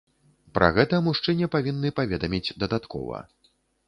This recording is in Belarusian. Пра гэта мужчыне павінны паведаміць дадаткова.